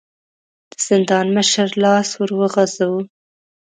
د زندان مشر لاس ور وغځاوه.